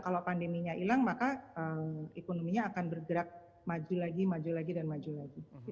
kalau pandeminya hilang maka ekonominya akan bergerak maju lagi maju lagi dan maju lagi